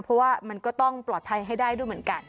เพราะว่ามันก็ต้องปลอดภัยให้ได้ด้วยเหมือนกัน